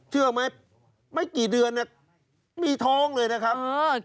เชื่อไหมไม่กี่เดือนมีท้องเลยนะครับ